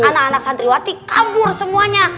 anak anak santriwati kabur semuanya